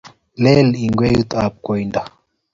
leel ingwenyutab koindo